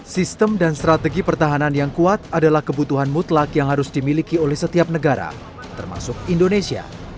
sistem dan strategi pertahanan yang kuat adalah kebutuhan mutlak yang harus dimiliki oleh setiap negara termasuk indonesia